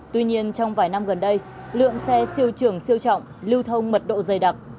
tuy nhiên trong vài năm gần đây lượng xe siêu trường siêu trọng lưu thông mật độ dày đặc